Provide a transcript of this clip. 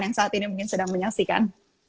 yang saat ini mungkin sedang menyaksikan